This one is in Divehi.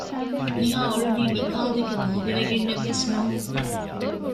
ނިހާ އުޅުނީ ނިކާލްދެކެ ލޯބިވެގެނެއްވެސް ނޫން